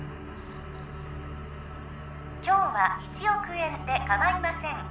今日は１億円でかまいません